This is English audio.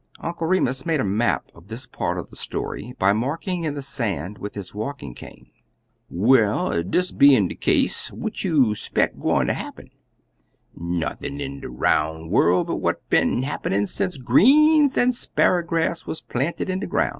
Uncle Remus made a map of this part of the story by marking in the sand with his walking cane. "Well, dis bein' de case, what you speck gwineter happen? Nothin' in de roun' worl' but what been happenin' sence greens an' sparrer grass wuz planted in de groun'.